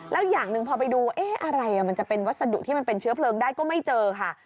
แล้วอย่างหนึ่งพอไปดูเอ๊ะอะไรมันจะเป็นวัสดุที่มันเป็นเชื้อเพลิงได้ก็ไม่เจอค่ะ